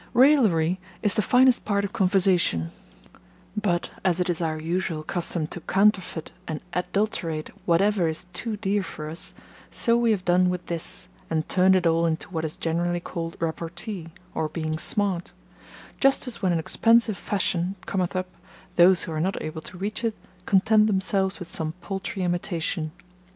Raillery is the finest part of conversation; but, as it is our usual custom to counterfeit and adulterate whatever is too dear for us, so we have done with this, and turned it all into what is generally called repartee, or being smart; just as when an expensive fashion cometh up, those who are not able to reach it, content themselves with some paltry imitation.